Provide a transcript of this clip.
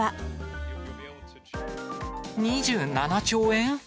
２７兆円？